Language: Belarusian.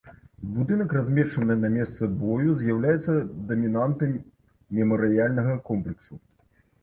Будынак, размешаны на месцы бою, з'яўляецца дамінантай мемарыяльнага комплексу.